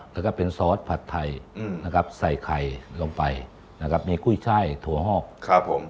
แล้วก็เป็นซอสผัดไทยนะครับใส่ไข่ลงไปนะครับมีกุ้ยช่ายถั่วหอกครับผม